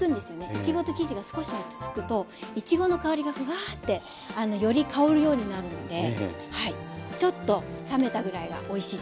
いちごと生地が少し落ち着くといちごの香りがフワーッてより香るようになるのではいちょっと冷めたぐらいがおいしいです。